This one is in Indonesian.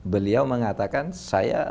beliau mengatakan saya